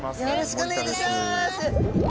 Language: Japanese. よろしくお願いします。